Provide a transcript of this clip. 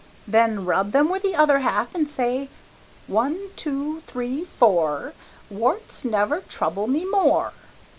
Then rub them with the other half and say, 'One, two, three, four, warts, never trouble me more.